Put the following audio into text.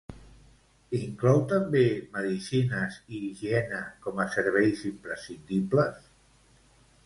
Inclou també medicines i higiene com a serveis imprescindibles?